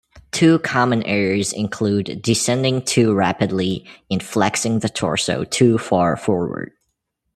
Two common errors include descending too rapidly and flexing the torso too far forward.